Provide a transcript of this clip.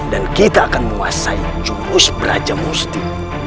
dan kita akan menguasai jumus beraja musti